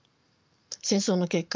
戦争の結果